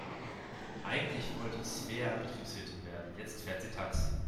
Eigentlich wollte Svea Betriebswirtin werden, jetzt fährt sie Taxi.